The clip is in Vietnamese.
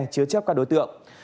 chứa chấp các đối tượng